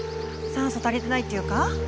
酸素足りてないっていうか。